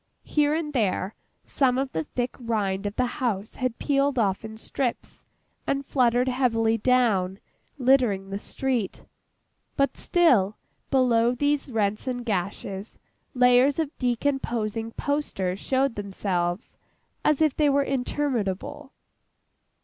Here and there, some of the thick rind of the house had peeled off in strips, and fluttered heavily down, littering the street; but, still, below these rents and gashes, layers of decomposing posters showed themselves, as if they were interminable.